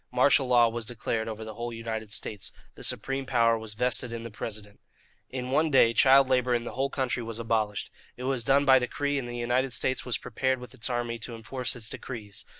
Martial law was declared over the whole United States. The supreme power was vested in the President. In one day, child labour in the whole country was abolished. It was done by decree, and the United States was prepared with its army to enforce its decrees.